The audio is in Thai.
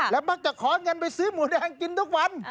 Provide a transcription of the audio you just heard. มักจะขอเงินไปซื้อหมูแดงกินทุกวัน